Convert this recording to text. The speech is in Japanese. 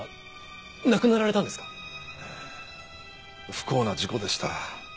不幸な事故でした。